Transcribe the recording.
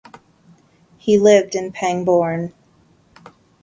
He lived in Pangbourne.